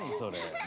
何？